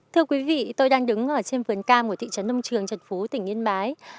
thưa quý vị tôi đang đứng ở trên vườn cam ở thị trấn nông trường trần phú tỉnh yên bái